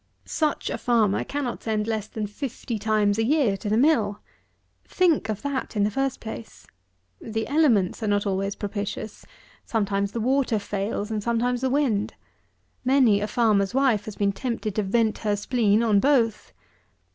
Such a farmer cannot send less than fifty times a year to the mill. Think of that, in the first place! The elements are not always propitious: sometimes the water fails, and sometimes the wind. Many a farmer's wife has been tempted to vent her spleen on both.